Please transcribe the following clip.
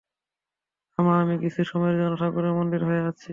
রামা, আমি কিছু সময়ের জন্য ঠাকুরের মন্দির হয়ে আসছি।